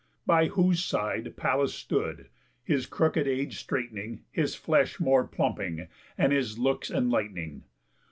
By whose side Pallas stood, his crook'd age straight'ning, His flesh more plumping, and his looks enlight'ning.